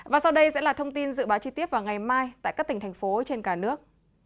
và sau đây sẽ là thông tin dự báo chi tiết vào ngày mai tại các tỉnh thành phố trên cả nước